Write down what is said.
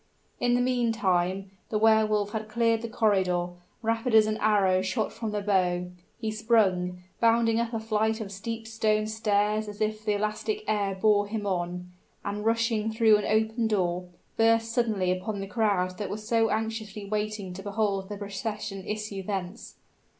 In the meantime the Wehr Wolf had cleared the corridor, rapid as an arrow shot from the bow; he sprung, bounding up a flight of steep stone stairs as if the elastic air bore him on, and rushing through an open door, burst suddenly upon the crowd that was so anxiously waiting to behold the procession issue thence.